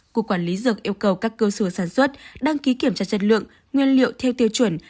cục quản lý dược yêu cầu các cơ sở sản xuất đăng ký kiểm tra chất lượng nguyên liệu theo tiêu chuẩn